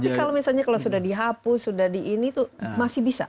tapi kalau misalnya kalau sudah dihapus sudah di ini tuh masih bisa